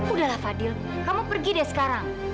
udahlah fadil kamu pergi deh sekarang